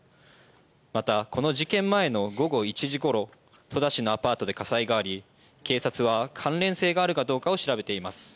またこの事件前の午後１時ごろ戸田市のアパートで火災があり、警察は関連性があるかどうかを調べています。